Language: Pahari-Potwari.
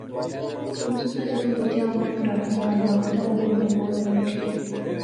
نصرتا جیدوں بجیا اماں عمرانے نی گل بانے تے او وی انیں کول آئی اوٹھی